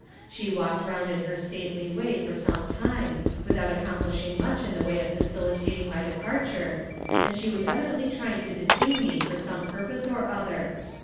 She walked round in her stately way for some time, without accomplishing much in the way of facilitating my departure, and she was evidently trying to detain me for some purpose or other.